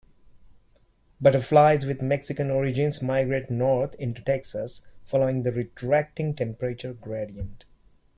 Butterflies with Mexican origins migrate north into Texas, following the retracting temperature gradient.